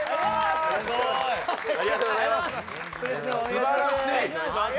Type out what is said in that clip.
すばらしい。